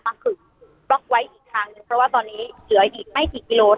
ฝึกบล็อกไว้อีกทางหนึ่งเพราะว่าตอนนี้เหลืออีกไม่กี่กิโล